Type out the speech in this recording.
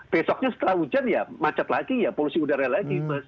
besoknya setelah hujan ya macet lagi ya polusi udara lagi mas